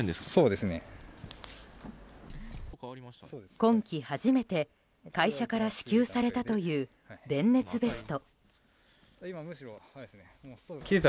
今季初めて会社から支給されたという電熱ベスト。